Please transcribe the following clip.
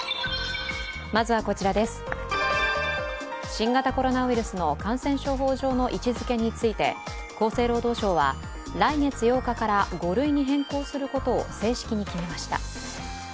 新型コロナウイルスの感染症法上の位置づけについて、厚生労働省は、来月８日から５類に変更することを正式に決めました。